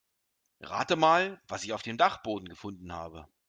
Rate mal, was ich auf dem Dachboden gefunden habe.